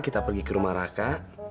kita pergi ke rumah raka